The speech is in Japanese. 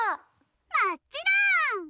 もっちろん！